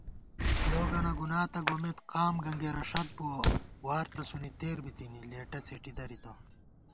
لوگَنہ گُنا تہ گومېت ، قام گنگېرہ ݭت بُوَہ * وار تسُونی تېر بِتِنی، لېٹہ څېٹی دَرِتہ